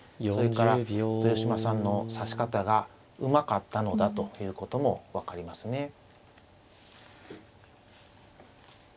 それから豊島さんの指し方がうまかったのだということも分かりますね。